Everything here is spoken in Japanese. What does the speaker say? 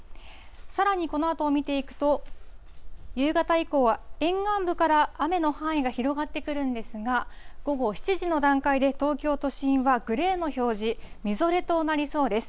さらにこのあとを見ていくと、夕方以降は沿岸部から雨の範囲が広がってくるんですが、午後７時の段階で、東京都心はグレーの表示、みぞれとなりそうです。